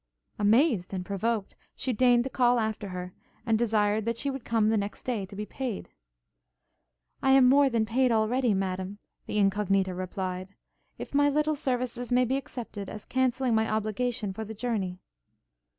Amazed and provoked, she deigned to call after her, and desired that she would come the next day to be paid. 'I am more than paid already, Madam,' the Incognita replied, 'if my little services may be accepted as cancelling my obligation for the journey.'